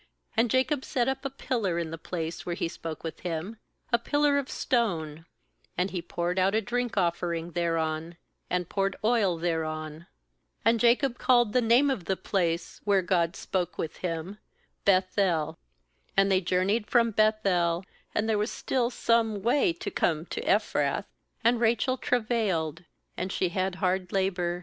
14And Jacob set up a pillar in the place where He spoke with him, a pillar of stone, and he poured out a drink offering thereon, id poured oil thereon. ^And Jacob called the name of the place where God spoke with him, Beth el. 16And they journeyed from Beth el; and there was still some way to come to Ephrath; and Rachel travailed, and she had hard labour.